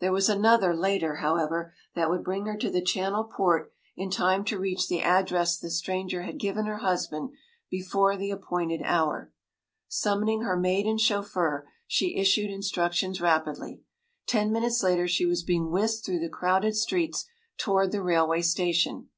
There was another, later, however, that would bring her to the Channel port in time to reach the address the stranger had given her husband before the appointed hour. Summoning her maid and chauffeur, she issued instructions rapidly. Ten minutes later she was being whisked through the crowded streets toward the railway station.